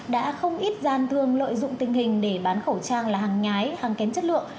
đã không ít gian thương lợi dụng tình hình để bán khẩu trang là hàng nhái hàng kém chất lượng